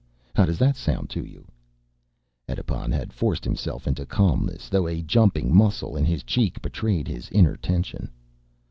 How does that sound to you?" Edipon had forced himself into calmness, though a jumping muscle in his cheek betrayed his inner tension.